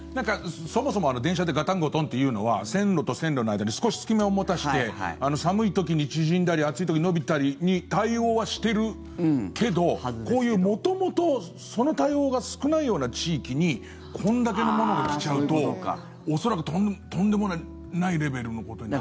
そもそも電車でガタンゴトンっていうのは線路と線路の間に少し隙間を持たせて寒い時に縮んだり暑い時に伸びたりに対応はしてるけどこういう元々その対応が少ないような地域にこれだけのものが来ちゃうと恐らくとんでもないレベルのことに。